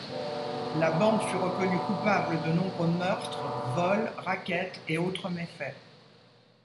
La bande fut reconnue coupable de nombreux meurtres, vols, rackets et autres méfaits.